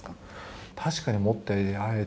確かに、もっとやりたい。